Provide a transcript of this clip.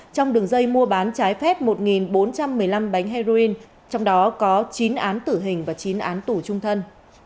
trong đường dây mua bán trái phép một bốn trăm một mươi năm bánh heroin trong đó có chín án tử hình và chín án tù trung thân